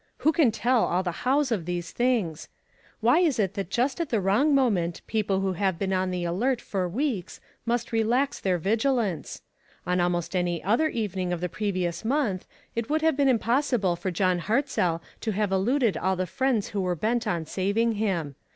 Who can tell all the hows of these things? Why is it that just at the wrong moment people who have been on the alert for weeks, must relax their vigilance? On al most any other evening of the previous month, it would have been impossible for John Hartzell to have eluded all the friends who were bent on saving him.